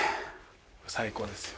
最高ですよ。